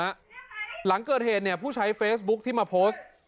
แล้วก็คุณผู้ชมนะหลังเกิดเหตุเนี่ยผู้ใช้เฟซบุ๊กที่มาโพสต์